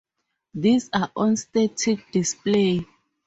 These are on static display.